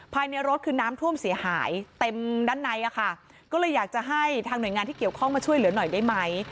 ภายในรถคือน้ำท่วมเสียหายเต็มด้านในอะค่ะก็เลยอยากจะให้ทางหน่วยงานที่เกี่ยวข้องมาช่วยเหลือหน่อยได้ไหม